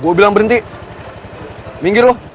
gue bilang berhenti minggir loh